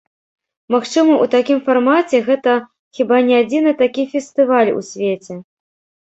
Магчыма ў такім фармаце гэта хіба не адзіны такі фестываль у свеце.